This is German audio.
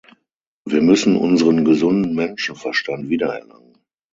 Wir müssen unseren gesunden Menschenverstand wiedererlangen.